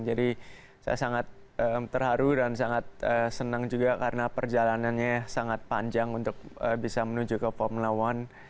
jadi saya sangat terharu dan sangat senang juga karena perjalanannya sangat panjang untuk bisa menuju ke formula one